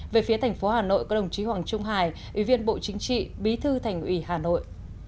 về phía thành phố hà nội có đồng chí hoàng trung hải ủy viên bộ chính trị bí thư thành ủy hà nội